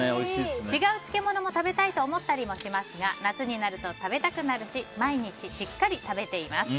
違う漬物も食べたいと思ったりもしますが夏になると食べたくなるし毎日、しっかり食べています。